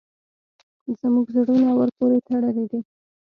زموږ زړونه ورپورې تړلي دي.